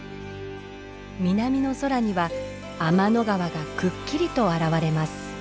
南の空には天の川がくっきりと現れます。